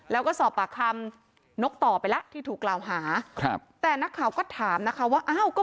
แล้วก็สอบปากคำนกต่อไปแล้วที่ถูกกล่าวหาครับแต่นักข่าวก็ถามนะคะว่าอ้าวก็